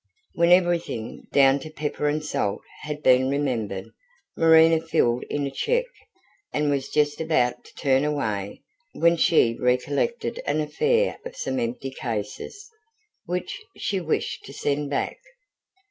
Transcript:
When everything, down to pepper and salt, had been remembered, Marina filled in a cheque, and was just about to turn away when she recollected an affair of some empty cases, which she wished to send back.